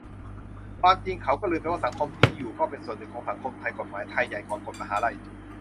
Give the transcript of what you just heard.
ความจริงเขาก็ลืมไปว่าสังคมที่อยู่ก็เป็นส่วนหนึ่งของสังคมไทย กฎหมายไทยใหญ่กว่ากฎมหาลัย